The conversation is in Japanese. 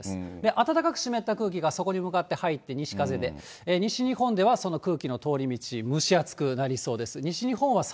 暖かく湿った空気がそこに向かって入って、西風で、西日本ではその空気の通り道、蒸し暑くなりそうです。